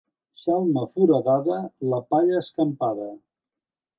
Xalma foradada, la palla escampada.